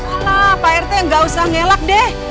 alah pak rt ga usah ngelak deh